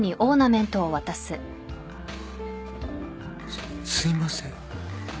すすいません。